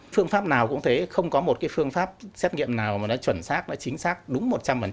phương pháp nào cũng thế không có một cái phương pháp xét nghiệm nào mà nó chuẩn xác nó chính xác đúng một trăm linh